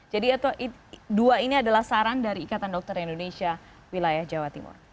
jadi dua ini adalah saran dari ikatan dokter indonesia wilayah jawa timur